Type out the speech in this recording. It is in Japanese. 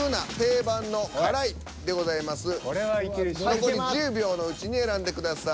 残り１０秒のうちに選んでください。